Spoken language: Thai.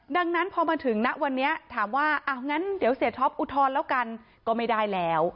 ดังนั้นพอมาถึงณวันนี้ถามว่าอ้าวงั้นเดี๋ยวเสียท็อปอุทธรณ์แล้วกันก็ไม่ได้แล้ว